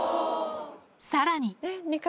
さらに。